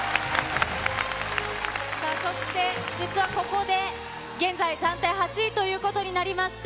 そして、実はここで、現在暫定８位ということになりました、